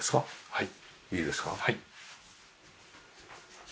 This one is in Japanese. はい。